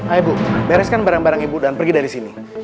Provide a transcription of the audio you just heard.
ayo bu bereskan barang barang ibu dan pergi dari sini